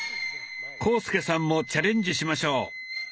浩介さんもチャレンジしましょう。